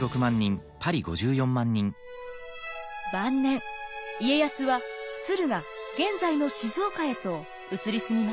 晩年家康は駿河現在の静岡へと移り住みます。